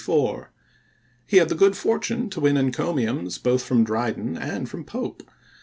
He had the good fortune to win encomiums both from Dryden and from Pope.